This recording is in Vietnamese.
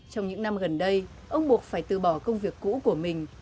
trong những năm gần đây ông buộc phải từ bỏ công việc cũ của mình